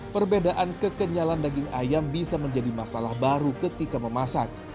perbedaan kekenyalan daging ayam bisa menjadi masalah baru ketika memasak